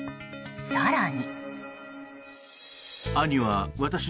更に。